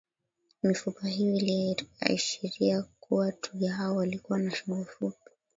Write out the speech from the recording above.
mifupa hiyo iliashiria kuwa twiga hao walikuwa na shingo fupi